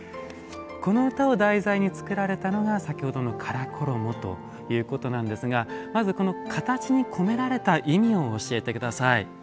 この歌を題材に作られたのが先ほどの唐衣ということなんですがまずこの形に込められた意味を教えて下さい。